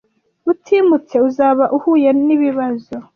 utimutse uzaba uhuye n’ibibazo